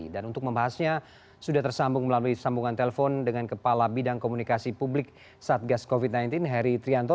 dan untuk membahasnya sudah tersambung melalui sambungan telepon dengan kepala bidang komunikasi publik satgas covid sembilan belas harry trianto